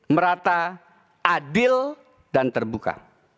merata adil dan terbuka